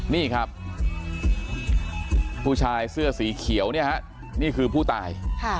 นี่ครับผู้ชายเสื้อสีเขียวเนี่ยฮะนี่คือผู้ตาย